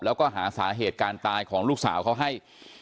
แล้วก็หาสาเหตุการณ์ตายของลูกสาวเขาให้